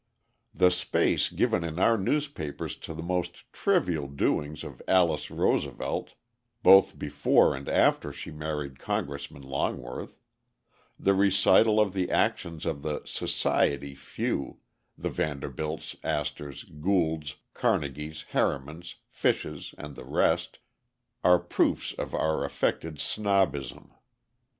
The space given in our newspapers to the most trivial doings of Alice Roosevelt, both before and after she married Congressman Longworth; the recital of the actions of the "society" few, the Vanderbilts, Astors, Goulds, Carnegies, Harrimans, Fishes, and the rest, are proofs of our affected snobbism.